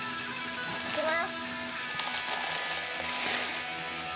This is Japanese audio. いきます！